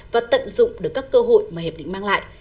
và tận dụng được các cơ hội mà hiệp định mang lại